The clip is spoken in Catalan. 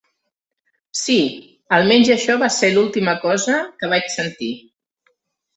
Sí, almenys això va ser l'última cosa que vaig sentir.